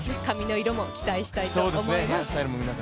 髪の色も期待したいと思います。